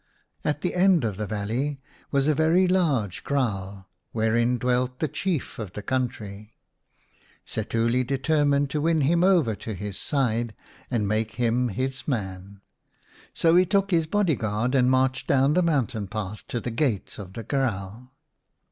At the end of the valley was a very large kraal wherein dwelt the Chief of the country. Setuli determined to win him over to his side and make him his man. So he took his bodyguard and marched down the mountain paths to the gate of the kraal.